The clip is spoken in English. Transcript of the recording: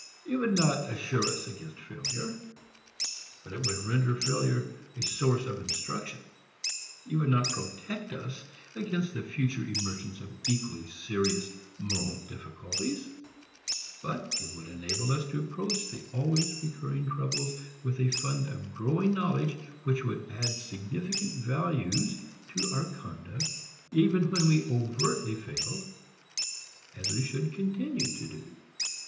It would not assure us against failure, but it would render failure a source of instruction. It would not protect us against the future emergence of equally serious moral difficulties, but it would enable us to approach the always recurring troubles with a fund of growing knowledge which would add significant values to our conduct even when we overtly failed as we should continue to do.